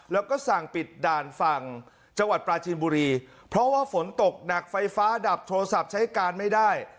แล้วก็สั่งปิดด่านฝั่งจังหวัดปลาจีนบุรีเพราะว่าฝนตกหนักไฟฟ้าดับโทรศัพท์ใช้การไม่ได้